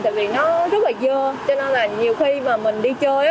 tại vì nó rất là dưa cho nên là nhiều khi mà mình đi chơi